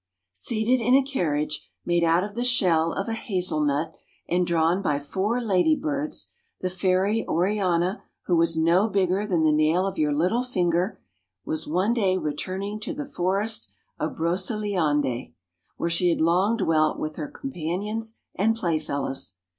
¥ S EATED in a carriage made out of the shell of a hazel nut and drawn by four lady birds, the fairy Oriana — who was no bigger than the nail of your little finger — was one day returning to the forest of Broceliande, where she had long dwelt with her companions and playfellows.